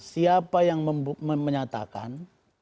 siapa yang menyatakan